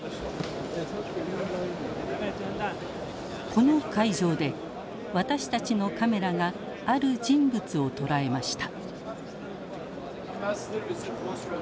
この会場で私たちのカメラがある人物を捉えました。